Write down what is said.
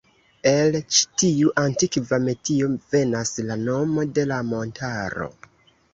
El ĉi tiu antikva metio venas la nomo de la montaro.